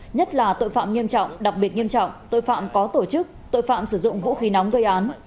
nhất là tội phạm nghiêm trọng đặc biệt nghiêm trọng tội phạm có tổ chức tội phạm sử dụng vũ khí nóng gây án